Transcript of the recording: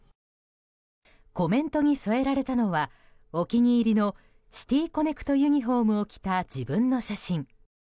コメントに添えられたのはお気に入りのシティ・コネクトユニホームを着た自分の写真。